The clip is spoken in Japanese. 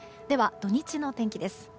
では、土日の天気です。